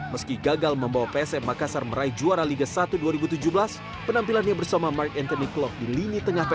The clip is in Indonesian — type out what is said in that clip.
meski gagal membawa psm makassar meraih juara liga satu dua ribu tujuh belas penampilannya bersama mark anthony clove di lini tengah